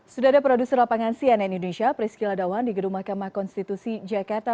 sudah ada produser lapangan cnn indonesia prisky ladawan di gedung mahkamah konstitusi jakarta